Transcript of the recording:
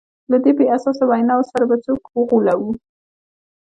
له دې بې اساسه ویناوو سره به څوک وغولوو.